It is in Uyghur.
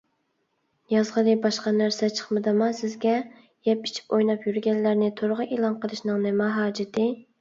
يازغىلى باشقا نەرسە چىقمىدىما سىزگە؟ يەپ-ئىچىپ ئويناپ يۈرگەنلەرنى تورغا ئېلان قىلىشنىڭ نېمە ھاجىتى؟